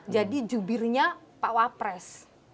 jadi jubirnya pak wapres